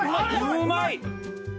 うまい！